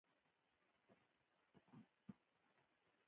زما پلار بزګر دی